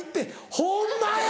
ホンマや！